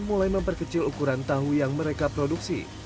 mulai memperkecil ukuran tahu yang mereka produksi